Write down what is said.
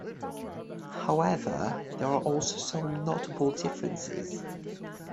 However, there are also some notable differences.